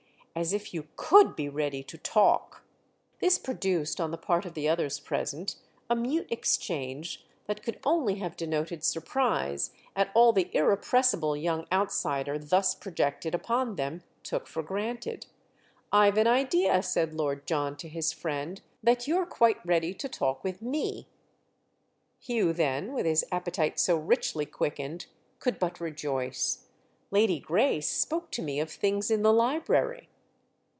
"As if you could be ready to 'talk'!" This produced on the part of the others present a mute exchange that could only have denoted surprise at all the irrepressible young outsider thus projected upon them took for granted. "I've an idea," said Lord John to his friend, "that you're quite ready to talk with me." Hugh then, with his appetite so richly quickened, could but rejoice. "Lady Grace spoke to me of things in the library."